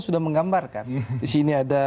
sudah menggambarkan di sini ada